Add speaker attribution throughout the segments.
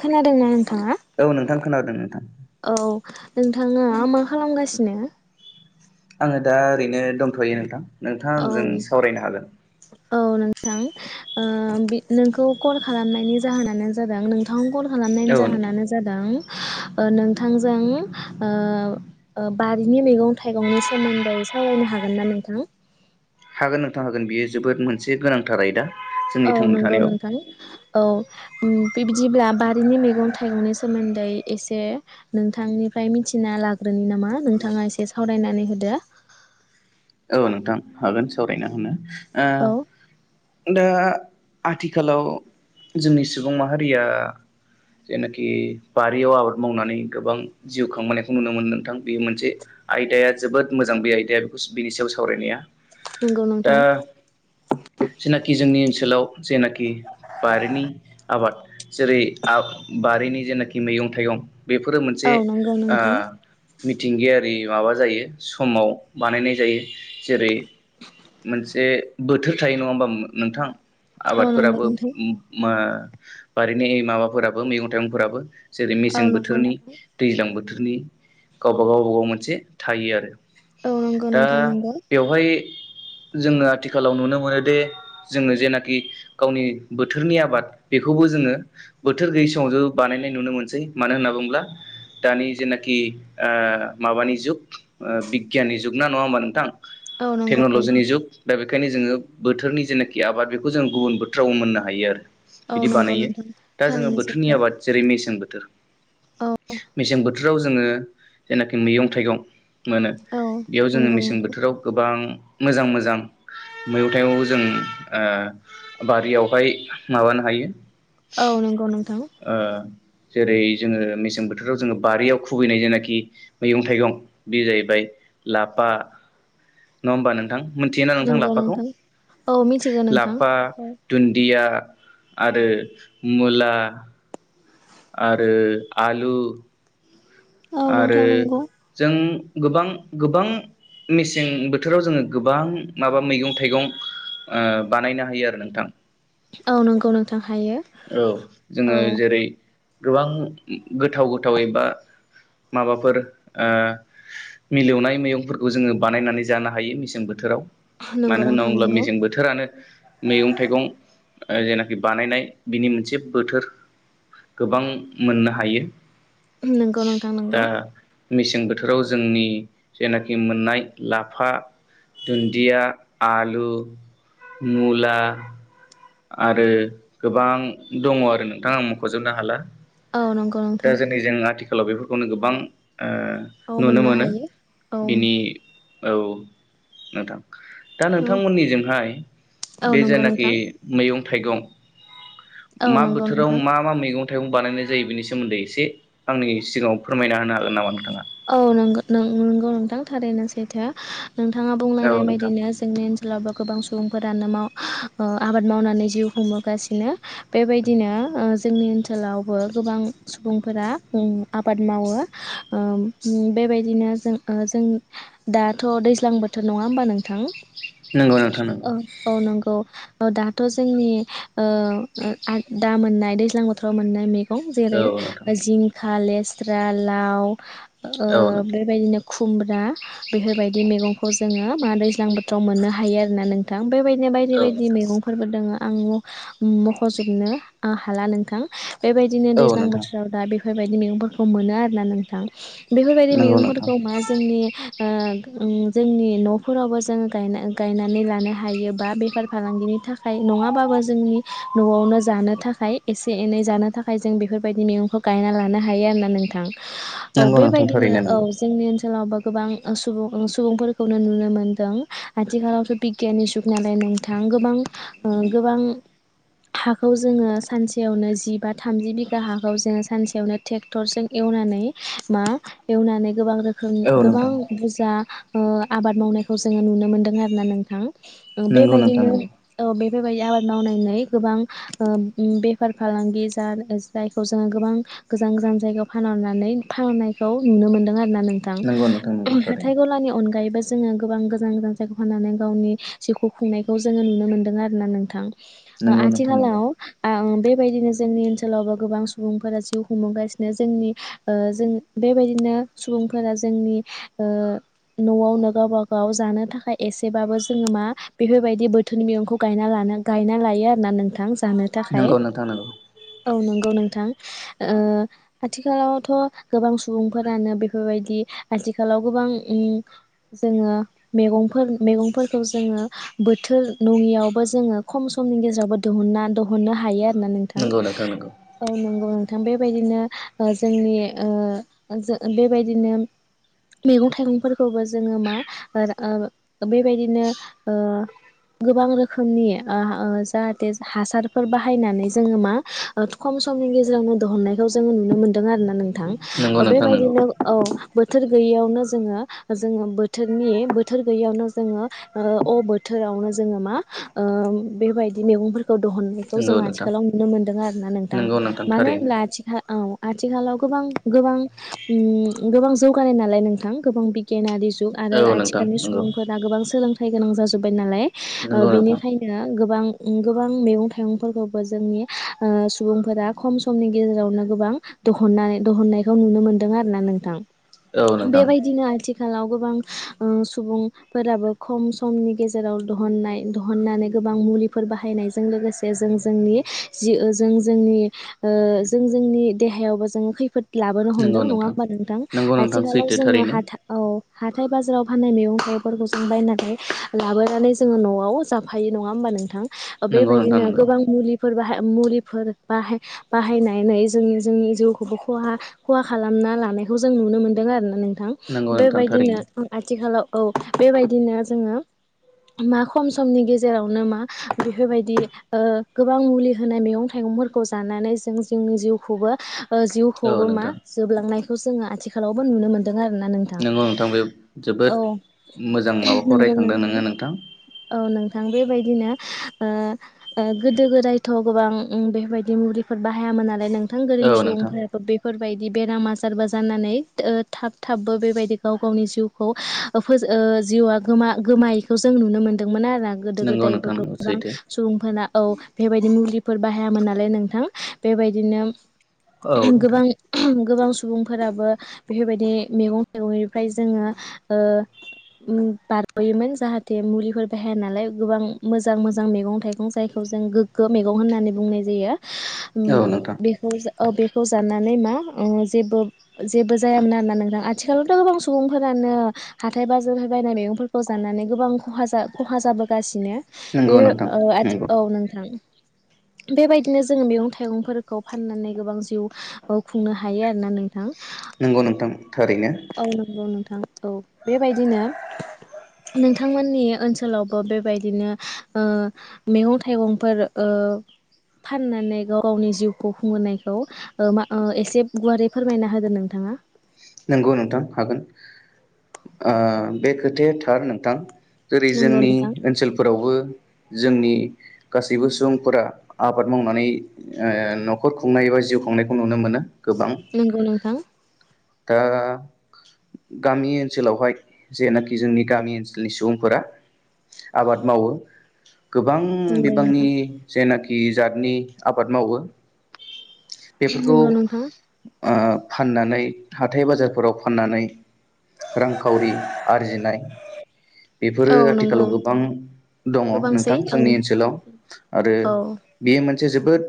Speaker 1: खोनादोंना नोंथाङा?
Speaker 2: औ नोंथां खोनादों नोंथां
Speaker 1: औ। नोंथाङा मा खालामगासिनो
Speaker 2: आङो दा ओरैनो दंथ'यो नोंथां। नोंथाङा
Speaker 1: औ
Speaker 2: आंजों सावरायनो हागोन।
Speaker 1: औ नोंथां ओ नोंखौ कल खालामनायनि जाहोनानो जादों नोंथां कल खालामनायनि
Speaker 2: औ नोंथां
Speaker 1: जाहोनानो जादों ओ नोंथांजों ओ बारिनि मैगं थाइगंनि सोमोन्दै सावरायनो हागोन ना नोंथां?
Speaker 2: हागोन नोंथां हागोन बियो जोबोद मोनसे गोनांथार आयदा। जोंनि
Speaker 1: औ
Speaker 2: थांना
Speaker 1: नंगौ
Speaker 2: थानायाव
Speaker 1: नोंथां औ। दे बिदिब्ला बारिनि मैगं थाइगंनि सोमोन्दै एसे नोंथांनिफ्राय मिथिना लाग्रोनि नामा नोंथाङा एसे सावरायनानै होदो।
Speaker 2: औ नोंथां हागोन सावरायना होनो। ओ
Speaker 1: औ
Speaker 2: दा आथिखालाव जोंनि सुबुं माहारिया जेनाखि बारियाव आबाद मावनानै गोबां जिउ खांबोनायखौ नुनो मोनो नोंथां बे मोनसे आयदाया जोबोद मोजां बे आयदाया बेखौ स बिनि सायाव सावरायनाया
Speaker 1: नंगौ
Speaker 2: दा
Speaker 1: नोंथां
Speaker 2: जेनाखि जोंनि ओन सोलाव जेनाखि बारिनि आबाद जेरै आ बारिनि जेनाखि मैगं थाइगं बेफोरो
Speaker 1: औ
Speaker 2: मोनसे
Speaker 1: नंगौ
Speaker 2: ओ
Speaker 1: नोंथां
Speaker 2: मिथिंगायारि माबा जायो समाव बानायनाय जायो जेरै मोनसे बोथोर थायो नङा होमबाब नोंथां
Speaker 1: औ नंगौ
Speaker 2: आबादफोराबो
Speaker 1: नोंथां
Speaker 2: मम बारिनि माबाफोराबो मैगं थाइगंफोराबो जेरै
Speaker 1: औ
Speaker 2: मेसें
Speaker 1: नंगौ
Speaker 2: बोथोरनि
Speaker 1: नोंथां
Speaker 2: दैज्लां बोथोरनि गावबा गाव गावबा गाव मोनसे थायो आरो
Speaker 1: औ नंगौ
Speaker 2: दा
Speaker 1: नोंथां नंगौ
Speaker 2: बेवहाय जोङो आथिखालाव नुनो मोनोदिे जोङो जेनाखि गावनि बोथोरनि आबाद बेखौबो जोङो बोथोर गैयि समाव जो बानायनाय नुनो मोनसै मानो होनना बुङोब्ला दानि जेनाखि माबानि जुग बिगियाननि जुग। नंगौना नङा होबा नोंथां?
Speaker 1: औ नंगौ नोंथां
Speaker 2: टेक्न'लजिनि जुग दा बेखायनो जोङो बोथोरनि जेनाखि आबाद बेखौ जों गुबुन बोथोराव मोननो हायो आरो
Speaker 1: औ
Speaker 2: बिदि
Speaker 1: नंगौ
Speaker 2: बानायो
Speaker 1: नोंथां
Speaker 2: दा जोङो
Speaker 1: थारैनो
Speaker 2: बोथोरनि
Speaker 1: सैथो
Speaker 2: आबाद जेरै मेसें बो
Speaker 1: औ
Speaker 2: [unintelligible] मिसें बोथ थोराव जोङो जेनाखि मैगं थाइगं मोनो
Speaker 1: औ
Speaker 2: जों
Speaker 1: नंगौ
Speaker 2: मेसें
Speaker 1: नोंथां
Speaker 2: बोथोराव गोबां बां मोजां मोजां मैगं थाइगंखौ जों ओ बारियावहाय माबानो हायो।
Speaker 1: औ नंगौ नोंथां
Speaker 2: ओ जेरै जोङो मेसें बोथोराव जोङो बारियाव खुबैनाय जेनाखि मैगं थाइगं बेयो जाहैबाय लाफा नङा होमबा नोंथां? मिथियोना नोंथां लाफाखौ
Speaker 1: औ मिथिगौ नोंथां
Speaker 2: लाफा
Speaker 1: औ
Speaker 2: दुन्दिया आरो मुला आरो आलु
Speaker 1: औ
Speaker 2: आरो
Speaker 1: नोंथां नंगौ
Speaker 2: जों गोबां गोबां मेसें बोथोराव जोङो गोबां माबा मैगं थाइगं ओ बानायनो हायो आरो नोंथां
Speaker 1: औ नंगौ नोंथां हायो
Speaker 2: औ जोङो
Speaker 1: औ
Speaker 2: जेरै गोबां गोथाव गोथावैबा माबाफोर ओ मिलौनाय मैगंफोरखौ जोङो बानायनानै जानो हायो मेसें बोथोराव। मानो
Speaker 1: नंगौ
Speaker 2: होनना
Speaker 1: नोंथां
Speaker 2: बुब्ला
Speaker 1: नंगौ
Speaker 2: मेसें बोथोरानो मैगं थाइगं ओ जेनाखि बानायनाय बिनि मोनसे बोथोर गोबां मोननो हायो।
Speaker 1: नोंगौ नोंथां
Speaker 2: दा
Speaker 1: नोंगौ।
Speaker 2: मेसें बोथोराव जोंनि जेनाखि मोननाय लाफा दुन्दिया आलु मुला आरो गोबां दङ आरो नोंथा आं मुंख'जोबनो हाला
Speaker 1: औ नंगौ नोंथां
Speaker 2: लावनो बेफोरखौनो गोबां ओ
Speaker 1: औ
Speaker 2: नुनो
Speaker 1: मोननो
Speaker 2: मोनो
Speaker 1: हायो औ
Speaker 2: बिनि औ नोंथां दा
Speaker 1: औ
Speaker 2: नोंथांमोननिजोंहाय
Speaker 1: औ
Speaker 2: बे
Speaker 1: नंगौ
Speaker 2: जायनाखि
Speaker 1: नोंथां
Speaker 2: मैगं थाइगं
Speaker 1: औ
Speaker 2: मा
Speaker 1: नंगौ
Speaker 2: बोथोराव
Speaker 1: नोंथां
Speaker 2: मा-मा मैगं थायाव बानायनाय जायो बिनि सोमोन्दै एसे आंनि सिगाङाव फोरमायना होनो हागोन नामा नों
Speaker 1: नों नोंगौ नोंथां थारैनो सैथो नोंथाङा
Speaker 2: औ
Speaker 1: बुंलांनाय
Speaker 2: नोंथां
Speaker 1: बायदिनो जोंनि ओनसोलावबो गोबां सुबुं फोरानो माव ओ आबाद मावनानै जिउ खुंबोगासिनो बेबायदिनो ओ जोंनि ओनसोलावबो गोबां सुबुंफोरा ओ आबाद मावो ओ उम बेबायदिनो जों ओ जों दाथ' दैज्लां बोथोर नङा होमबा नोंथां
Speaker 2: नंगौ नोंथां
Speaker 1: औ
Speaker 2: नंगौ
Speaker 1: औ नंगौ औ दाथ' जोंनि ओ आ दा मोननाय दैज्लां बोथोराव मोननाय मे गं
Speaker 2: औ
Speaker 1: जेरै
Speaker 2: नोंथां
Speaker 1: जिं खा लेस्रा लाव ओ
Speaker 2: औ नोंथां
Speaker 1: बेबायदिनो खुमब्रा बेफोरबायदि मैगंखौ जोङो मा दैज्लां बोथोराव मोननो हायो आरोना नोंथां बेबायदिनो बायदि
Speaker 2: औ
Speaker 1: बायदि
Speaker 2: नोंथां
Speaker 1: मैगंफोरबो दोङो आं म मख'जोबनो आ हाला नोंथां बेबायदिनो
Speaker 2: औ
Speaker 1: दैज्लां
Speaker 2: नोंथां
Speaker 1: बोथोराव दा बे फोरबायदि मैगंफोरखौ मोनो आरोना नोंथां बेफोरबायदि
Speaker 2: नंगौ नोंथां
Speaker 1: मैगंफोरखौ मा जोंनि ओ ओं जोंनि न'फोरावबो जों गायना गायनानै लानो हायो बा बेफार फालांगिनि थाखाय नङाबाबो जोंनि न'आवनो जानो थाखाय एसे एनै जानो थाखाय जों बेफोरबायदि मैगंखौ गायना लानो हायो आरोना नोंथां
Speaker 2: नंगौ नों
Speaker 1: बायदिनो औ जोंनि ओनसो सोलावबो गोबां ओं सुबुं ओं सुबुंफोरखौनो नुनो मोन्दों आथिखालावथ' बिगियाननि जुग नालाय नोंथां गोबां ओ गोबां हाखौ जोङो सानसेयावनो जिबा थामजि बिगा हाखौ जोङो सानसेयावनो ट्रेक्टरजों एवनानै मा एवनानै गोबां रो खोम
Speaker 2: औ
Speaker 1: गोबां
Speaker 2: नोंथां
Speaker 1: बुजा ओ आबाद मावनायखौ जोङो नुनो मोनदों आरो ना नोंथां
Speaker 2: नंगौ नोंथां
Speaker 1: बेबायदिनो
Speaker 2: नंगौ
Speaker 1: औ बे बेबायदि आबाद मावनानै गोबां ओ उम बेफार फालांगि जानो जायखौ जों गोबां गोजान गोजान जायगायाव फानहरनानै फाहामनायखौ नुनो मोन्दों आरो ना नोंथां
Speaker 2: नंगौ नोंथां नंगौ
Speaker 1: उम
Speaker 2: थारैनो
Speaker 1: हाथाय गलानि अनगायै जोङो गोबां गोजान गोजान जायगा फाननानै गावनि जिउखौ खुंनायखौ जोङो नुनो मोन्दों आरो ना नोंथां।
Speaker 2: नंगौ नोंथां नंगौ
Speaker 1: आथिखाालाव आं। बेबायदिनो जोंनि ओनसोलावबो गोबां सुबुंफोरा जिउ खुंबोगासिनो जोंनि। ओ जों बेबायदिनो सुबुंफोरा जोंनि ओ न'आवनो गावबा गाव जानो थाखाय एसेबाबो जोङो मा बेफोर बायदि बोथोननि मैगंखौ गायना लानो गायना लायो आरो ना नोंथां। जानो थाखाय
Speaker 2: नंगौ नोंथां
Speaker 1: औ नोंगौ नो। थां ओ आथिखालाव। थ' गोबां सुबुंफोरानो बेफोरबायदि आथिखालाव गोबां उम जोङो मेगंफोर मेगंफोरखौ जोङो बोथोर नङियावबो जोङो खम समनि गेजेरावबो दिहुनना दहुननो हायो आरो। होनबा नोंथां
Speaker 2: नंगौ
Speaker 1: औ नंगौ। ओ बेबायदिनो जोंनि। ओ जो बेबायदिनो मेगं थाइगंफोरखौबो जोङो मा ओ ओ बेबायदिनो ओ गोबां रोखोमनि ओ ओ जाहाथे हासारफोर बाहायनानै जोङो मा ओ खम समनि गेजेरावनो दहुननायखौ जोङो नुनो मोन्दों आरो ना नो। थां
Speaker 2: नंगौ नोंथां नंगौ
Speaker 1: बेबायदिनो औ। बोथोर गैयैयावनो जोङो जोङो बोथोरनि बोथोर गैयियावनो जोङो ओ अ बोथोरावनो जोङो मा ओ बेबायदि मेगंफोर। खौ दहुननायखौ जों
Speaker 2: नंगौ नोंथां
Speaker 1: आथिखालाव नुनो मोन्दों आरो ना
Speaker 2: नंगौ
Speaker 1: नोंथां मानो
Speaker 2: थारैनो
Speaker 1: होनब्ला आथिखालाव। आथिखालाव। गोबां। गोबां उम। गोबां जौगानाय नालाय नोंथां गोबां। गिेनारि जुग आरो
Speaker 2: औ नोंथां
Speaker 1: आथिखालनि
Speaker 2: नंगौ
Speaker 1: सुबुंफोरा गोबां सोलों। थाइ गोनां जाजोब्बाय नालाय। ओ
Speaker 2: नंगौ नोंथां
Speaker 1: बिनिखायनो गोबां। गोबां मेगं थाइगंफोरखौबो जोंनि ओ सुबुंफोरा खम समनि गेजेरावनो गोबां दख। नानै दहननायखौ नुनो मोन्दों आरो ना नोंथां।
Speaker 2: औ नोंथां
Speaker 1: बेबायदिनो आथि। खालाव गोबां ओ सुबुंफोराबो खम समनि गेजेराव दहननाय दहननानै गोबां मुलिफोर बाहायनायजों लोगोसे जों जोंनि जि जों जोंनि ओ जों जोंनि देहायावबो। जोङो खैफोद। लाबोनो हमदों नङा होमबा नोंथां
Speaker 2: नंगौ नोंथां
Speaker 1: आथिखालाव
Speaker 2: सैथो
Speaker 1: जोङो
Speaker 2: थारैनो
Speaker 1: हाथा औ। हाथाय बाजाराव फाननाय मेगं थाइगंफोरखौ जों बायनानै लाबोनानै जोङो न'आव जाफायो नङा होमबा नोंथां।
Speaker 2: नंगौ नोंथां
Speaker 1: बेबायदिनो
Speaker 2: नंगौ
Speaker 1: गोबां मुलि। फोर बाहाय मुलिफोर बाहाय बाहायनानै जोंनि जोंनि जि खौ खहा खहा खालामना लानायखौ जों नुनो मोनदों आरोना नों। थां
Speaker 2: नंगौ नोंथां
Speaker 1: बेबायदिनो
Speaker 2: थारैनो
Speaker 1: आ आथिखालाव। औ बेबायदिनो जोङो मा खम समनि गेजेरावनो मा बेफोरबायदि ओ गोबां मुलि होनाय मेगं थाइगंफोरखौ जानानै जों जोंनि जिउखौबो। ओ
Speaker 2: औ
Speaker 1: जिउखौबो मा
Speaker 2: नोंथां
Speaker 1: जोबलांनाय। खौ जोङो आथिखालावबो नुनो मोनो।
Speaker 2: नोंगौ नोंथां बे
Speaker 1: औ
Speaker 2: जोबोद मोजां माबाखौ रायखांदों नोङो नोंथां।
Speaker 1: औ नोंथां बेबायदिनो ओ ओ गोदो गोदायथ' गोबां बेफोरबायदि मुलिफोर बाहायामोन नालाय नों थां
Speaker 2: औ
Speaker 1: गोदोनि
Speaker 2: नोंथां
Speaker 1: सुबुंफोराबो बेफोर बेबायदि बेराम आजारबो जानानै ओ थाब थाबबो बेबायदि गाव गावनि जिउखौ ओ फोजो ओ जिउआ गोमा गोमायैखौ जों नुनो मोन दोंमोन आरो गोदो
Speaker 2: नंगौ
Speaker 1: गोदाय
Speaker 2: नोंथां
Speaker 1: बोथ'
Speaker 2: नंगौ
Speaker 1: गोबां
Speaker 2: सैथो
Speaker 1: सुबुंफोरा औ बेबायदि मुलिफोर बाहायामोन नालाय नोंथां बेबायदिनो।
Speaker 2: औ नोंथां
Speaker 1: गोबां गोबां सुबुंफोराबो बेफोरबायदि मैगं-थाइगंनिफ्राय जोङो ओ बारगयोमोन जाहाथे मुलिफोर बाहाया नालाय गोबां मोजां मोजां मैगं थाइगं जायखौ जों गोग्गो मैगं होननानै बुंनाय जायो।
Speaker 2: औ नोंथां
Speaker 1: बेखौ जो बेखौ जाननानै मा जेबो जेबो जायामोन आरोना नोंथां आथिखालावथ गोबां सुबुंफोरानो हाथाय बाजारफ्राय बायनाय मैगंफोरखौ जानानै गोबां खहा जा खहा जाबोगासि नो
Speaker 2: नंगौ
Speaker 1: बेफोर
Speaker 2: नोंथां
Speaker 1: ओ आथि
Speaker 2: नंगौ
Speaker 1: औ नोंथां। बेबायदिनो जोङो मैगं थाइगंफोरखौ फाननानै गोबां जिउ खुंनो हायो आरोना नोंथां।
Speaker 2: नंगौ नोंथां। थारैनो
Speaker 1: औ नंगौ नोंथां। औ बेबायदिनो नोंथांमोननि ओनसोलावबो बेबायदिनो ओ मेगं थाइगंफोर ओ फाननानै गाव गावनि जिउखौ खुंहोनायखौ मा एसे गुवारै फोरमायना होदो नोंथाङा।
Speaker 2: नंगौ नोंथां हागोन ओ बे खोथाया थार नोंथां। जेरै
Speaker 1: नंगौ
Speaker 2: जोंनि
Speaker 1: नोंथां
Speaker 2: ओनसोलफोरावबो जोंनि गासैबो सुबुंफोरा आबाद मावनानै ओ न'खर खुंनाय एबा जिउ खुंनायखौ नुनो मोनो। गोबां
Speaker 1: नंगौ नोंथां।
Speaker 2: दा गामि ओनसोलावहाय जेनाखि जोंनि गामि ओनसोलनि सुबुंफोरा आबाद मावो। गोबां
Speaker 1: नंगौ
Speaker 2: बिबांनि
Speaker 1: नोंथां
Speaker 2: जेनाखि जातनि आबाद मावो। बेफोरखौ
Speaker 1: नंगौ नोंथां
Speaker 2: ओ फाननानै हाथाय बाजारफोराव फाननानै रांखावरि आरजिनाय बेफोरो
Speaker 1: औ
Speaker 2: आथिखालाव
Speaker 1: नंगौ
Speaker 2: गोबां दङ
Speaker 1: गोबांसै
Speaker 2: नोंथां
Speaker 1: औ
Speaker 2: जोंनि ओनसोलाव आरो
Speaker 1: औ
Speaker 2: बेयो मोनसे जोबोद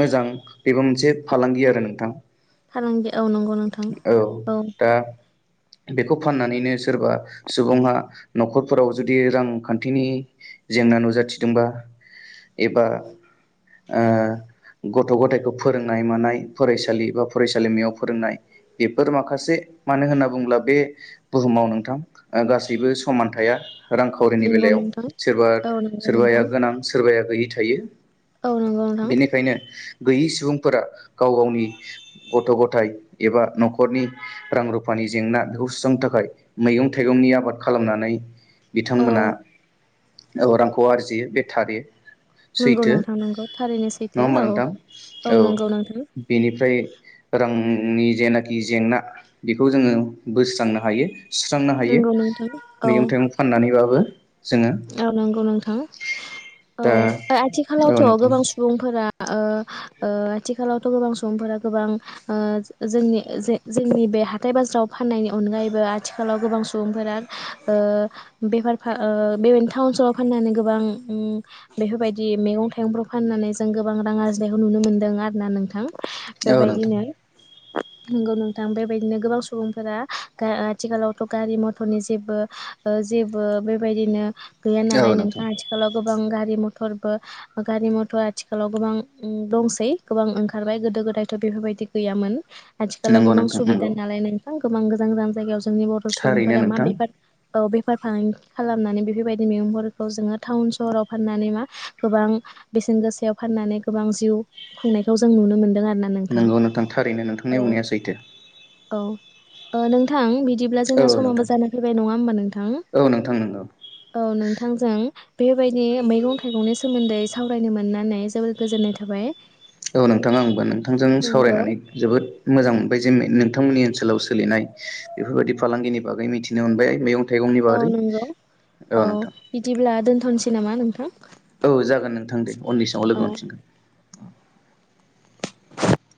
Speaker 2: मोजां बेबो मोनसे फालांगि आरो नोंथां।
Speaker 1: फालांगि औ नंगौ नोंथां औ।
Speaker 2: दा बेखौ फाननानैनो सोरबा सुबुङा नखरफोराव जुदि रांखान्थिनि जेंना नुजाथिदोंबा एबा ओ गथ गथायखौ फोरोंनाय मानाय फरायसालि बा फरायसालिमायाव फोरोंनाय बेफोर माखासे मानो होनना बुङोब्ला बे बुहुमाव नोंथां गासैबो समान थाया रांखावरिनि
Speaker 1: नंगौ
Speaker 2: बेलायाव
Speaker 1: नोंथां
Speaker 2: सोरबा
Speaker 1: औ नंगौ
Speaker 2: सोरबाया
Speaker 1: नोंथां
Speaker 2: गोनां सोरबाया गैयि थायो
Speaker 1: औ नंगौ नोंथां
Speaker 2: बेनिखायनो गैयि सुबुंफोरा गाव गावनि गथ' ग थाय एबा न'खरनि रां रुफानि जेंना बेखौ सुस्रांनो थाखाय मैगं थाइगंनि आबाद खालामनानै
Speaker 1: औ
Speaker 2: बिथांमोना रांखौ आरजियो बे थारि
Speaker 1: नंगौ
Speaker 2: सैथो
Speaker 1: नोंथां नंगौ थारैनो
Speaker 2: नङा
Speaker 1: सैथो
Speaker 2: होमबा
Speaker 1: औ
Speaker 2: नोंथां औ
Speaker 1: नंगौ नोंथां
Speaker 2: बेनिफ्राय रांनि जेनाखि जेंना बेखौ जोङो बोस्रांनो हायो सुस्रांनो हायो
Speaker 1: नंगौ नोंथां औ
Speaker 2: मैगं थाइगं फाननानैबाबो जोङो
Speaker 1: औ नंगौ नोंथां औ
Speaker 2: दा औ
Speaker 1: आथिखालावथ'
Speaker 2: नोंथां
Speaker 1: गोबां सुबुंफोरा ओ-ओ आथिखालावथ' गोबां सुबुंफोरा गोबां जोंनि जे जोंनि बे हाथाइ बाजाराव फाननायनि अनगायैबो आथिखालाव गोबां सुबुंफोरा बेफार फा बेबायदिनो टाउन सोहोराव फाननानै गोबां बेफोरबायदि मैगं थाइगंफ्राखौ फाननानै जों गोबां रां आरजिनायखौ नुनो मोनदों आरो ना नोंथां
Speaker 2: औ नोंथां
Speaker 1: बेबायदिनो नंगौ नोंथां बेबायदिनो गोबां सुबुंफोरा आथिखालावथ' गारि मथरनि जेबो जेबो बेबायदिनो गैया
Speaker 2: औ
Speaker 1: नालाय
Speaker 2: नोंथां
Speaker 1: नोंथाङा आथिखालाव गोबां गा गारि मथरबो गारि मथर आथिखालाव गोबां दंसै गोबां ओंखारबाय गोदो गोदायथ' बेफोरबायदि गैयामोन आथिखालाव
Speaker 2: नंगौ
Speaker 1: गोबां
Speaker 2: नोंथां
Speaker 1: सुबिदा
Speaker 2: नंगौ
Speaker 1: नालाय नों गोबां गोजान गोजान जायगायाव जोंनि बर'
Speaker 2: थारैनो
Speaker 1: सुबुंफोरा मा
Speaker 2: नोंथां
Speaker 1: बेफार औ बेफार फालांगि खालामनानै बेफोर बायदि मैगंफोरखौ जोङो टाउन सहराव फाननानै मा गोबां बेसेन गोसायाव फाननानै गोबां जिउ खुंनायखौ जों नुनो मोनदों आरो
Speaker 2: नोंगौ नोंथां थारैनो नोंथांनि बुंनाया सैथो
Speaker 1: औ नोंथां बिदि बिदिब्ला
Speaker 2: औ
Speaker 1: जोंना समाबो
Speaker 2: नोंथां
Speaker 1: जाना फैबाय नङा होमबा
Speaker 2: औ नंगौ
Speaker 1: नोंथां नोंथांजों बेबायदि मैगं थाइगंनि सोमोन्दै सावरायनो मोननानै जोबोर गोजोननाय थाबाय
Speaker 2: औ नोंथां आंबो नोंथांजों
Speaker 1: नोंगौ
Speaker 2: सावरायनानै जोबोद मोजां मोनबाय जेन नों नोंथांमोननि ओनसोलाव सोलिनाय बेफोरबायदि फालांगिनि बागै मिथिनो मोनबाय मैगं थाइगंनि
Speaker 1: औ
Speaker 2: बागै
Speaker 1: नंगौ औ बिदिब्ला दोनथ' थ'नोसै नामा नोंथां
Speaker 2: औ जागोन नोंथां दे उननि समाव लोगो
Speaker 1: औ
Speaker 2: मोनफिनगोन